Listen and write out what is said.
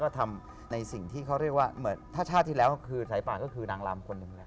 ก็ทำในสิ่งที่เขาเรียกว่าเหมือนถ้าชาติที่แล้วคือสายป่าก็คือนางลำคนหนึ่งแหละ